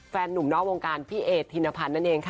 แฟนนุ่มนอกวงการพี่เอธินพันธ์นั่นเองค่ะ